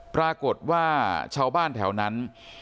ปรากฏว่าชาวบ้านแถวนั้น